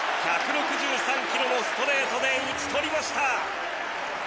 １６３ｋｍのストレートで打ち取りました。